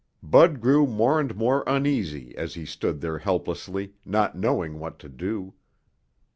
Bud grew more and more uneasy as he stood there helplessly, not knowing what to do.